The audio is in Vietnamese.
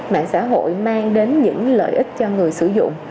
mạng xã hội mang đến những lợi ích cho người sử dụng